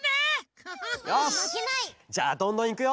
よしじゃあどんどんいくよ！